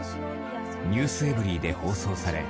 『ｎｅｗｓｅｖｅｒｙ．』で放送され